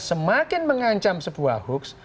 semakin mengancam sebuah hoax